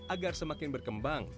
agar semakin berkembang